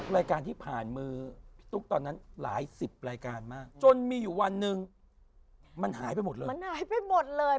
รายการที่ผ่านมือพี่ตุ๊กตอนนั้นหลายสิบรายการมากจนมีอยู่วันหนึ่งมันหายไปหมดเลยมันหายไปหมดเลย